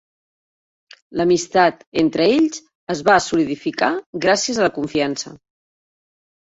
L'amistat entre ells es va solidificar gràcies a la confiança.